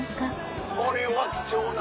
これは貴重な。